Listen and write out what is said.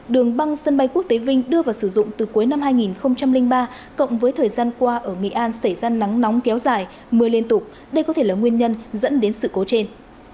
đường băng sân bay quốc tế vinh đưa vào sử dụng từ cuối năm hai nghìn ba cộng với thời gian qua ở nghệ an xảy ra nắng nóng kéo dài mưa liên tục đây có thể là nguyên nhân dẫn đến sự cố trên